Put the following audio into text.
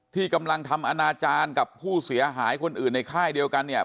ที่กำลังทำอนาจารย์กับผู้เสียหายคนอื่นในค่ายเดียวกันเนี่ย